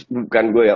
bukan gue ya